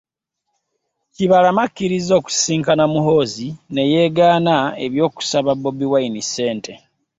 Kibalama akkirizza okusisinkana Muhoozi ne yeegaana eby'okusaba Bobi Wine Ssente